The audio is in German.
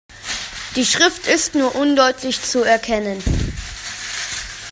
Die Schrift ist nur undeutlich zu erkennen.